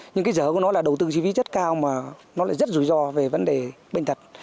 nhưng cái giỡn của nó là đầu tư chi phí rất cao mà nó lại rất rủi ro về vấn đề bệnh thật